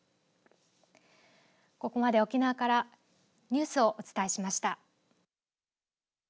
ここまで沖縄からニュースをお伝えしました。